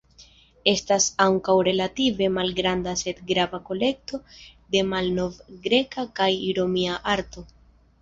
Estas ankaŭ relative malgranda sed grava kolekto de malnovgreka kaj romia arto.